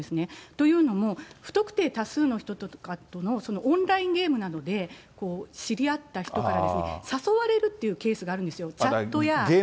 というのも、不特定多数の人と、オンラインゲームなどで知り合った人から誘われるってケースがあるんですよ。